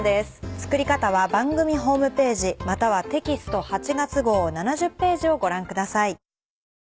作り方は番組ホームページまたはテキスト８月号７０ページをご覧ください。